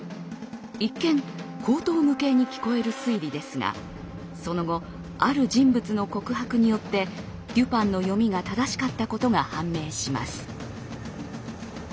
一見荒唐無稽に聞こえる推理ですがその後ある人物の告白によってデュパンの読みが正しかったことが判明します。